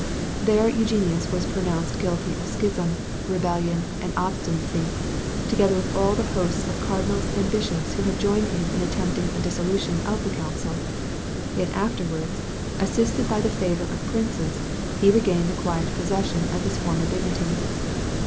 There Eugenius was pronounced guilty of schism, rebellion, and obstinacy, together with all the host of cardinals and bishops who had joined him in attempting a dissolution of the council. Yet afterwards, assisted by the favour of princes, he regained the quiet possession of his former dignity.